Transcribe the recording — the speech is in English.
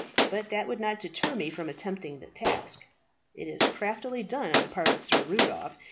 But that would not deter me from attempting the task. It is craftily done on the part of Sir Rudolph.